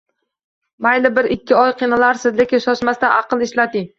Mayli bir-ikki oy qiynalarsiz, lekin shoshmasdan aqlni ishlating